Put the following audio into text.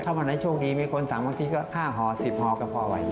ถ้ามาในช่วงนี้มีคนสั่งบางทีก็๕หอ๑๐หอก็พอไหว